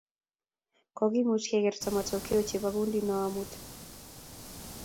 kokimuch keker matokeo chebo kundi noo amut